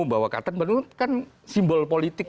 bahwa kata dungu kan simbol politik